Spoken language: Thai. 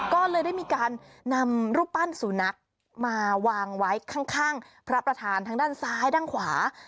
ก็เลยได้มีการนำรูปปั้นสุนัขมาวางไว้ข้างพระประธานทางด้านซ้ายด้านขวา